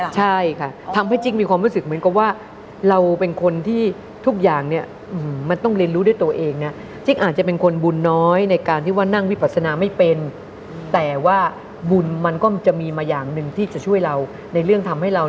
จากงานที่เราไปแต่งหน้าสัพเถอะล่ะ